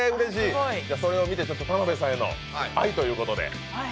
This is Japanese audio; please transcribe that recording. それを見て、ちょっと田辺さんへの愛ということで。